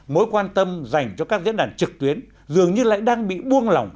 mối quan tâm dành cho các diễn đàn trực tuyến dường như lại đang bị buông lỏng